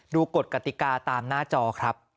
กฎกติกาตามหน้าจอครับ